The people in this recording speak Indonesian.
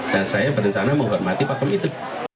dan saya berencana menghormati pak kamenya itu